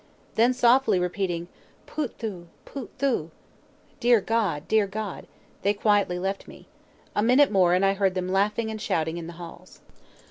Then softly repeating Poot thoo! Poot thoo! "Dear God! dear God!" they quietly left me. A minute more, and I heard them laughing and shouting in the halls.